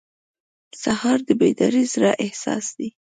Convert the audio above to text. سهار د بیدار زړه احساس دی.